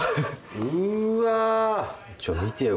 うわちょ見てよ